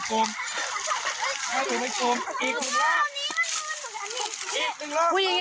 เพราะฉะนั้นกูเตรียมตัวโคตรอันนี้สองกุญแห่ง